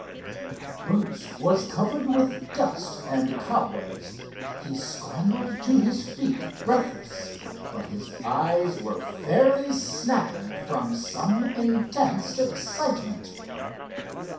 Bruce was covered with dust and cobwebs. He scrambled to his feet breathless, but his eyes were fairly snapping from some intense excitement.